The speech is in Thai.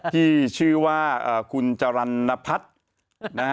ที่ชื่อว่าคุณจรรณพัฒน์